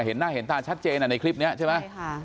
เห็นหน้าเห็นตาชัดเจนในคลิปนี้ใช่ไหม